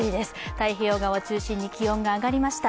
太平洋側を中心に気温が上がりました。